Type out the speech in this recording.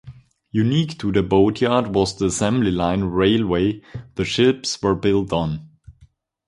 Unique to the boatyard was the assembly line railway the ships were built on.